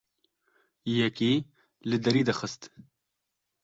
Yekî li derî dixist.